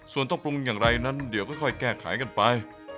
ส่วนต้องปรุงอย่างไรนั้นเดี๋ยวค่อยแก้ไขกันไป